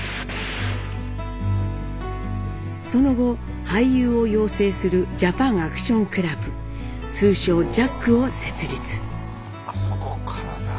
その後俳優を養成するジャパン・アクション・クラブ通称「ＪＡＣ」を設立。